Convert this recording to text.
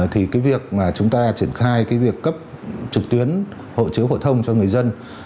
thì việc chúng ta triển khai việc cấp trực tuyến hộ chiếu hội thông cho người dân